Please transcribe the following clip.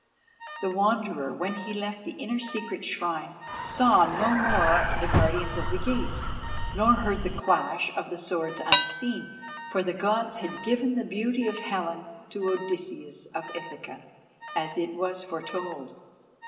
The Wanderer, when he left the inner secret shrine, saw no more the guardian of the gates, nor heard the clash of the swords unseen, for the Gods had given the beauty of Helen to Odysseus of Ithaca, as it was foretold.